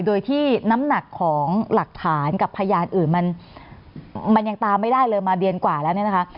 โดยที่น้ำหนักของหลักฐานกับพยานอื่นมันยังตามไม่ได้เลยมาเดือนกว่าแล้วเนี่ยนะคะ